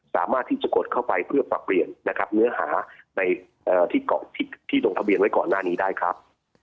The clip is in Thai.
สามารถที่จะกดเข้าไปเพื่อปรับเปลี่ยนเนื้อหาที่ต้องทะเบียนไว้ก่อนหน้านี้ได้ครับ